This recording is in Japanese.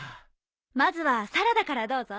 まずはサラダからどうぞ。